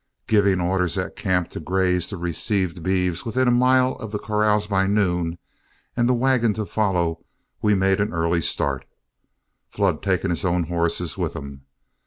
Giving orders at camp to graze the received beeves within a mile of the corrals by noon, and the wagon to follow, we made an early start, Flood taking his own horses with him.